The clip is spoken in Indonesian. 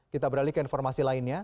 kita beralih ke informasi lainnya